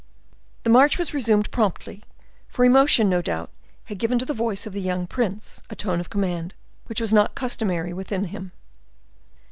The march was resumed promptly; for emotion, no doubt, had given to the voice of the young prince a tone of command which was not customary with him.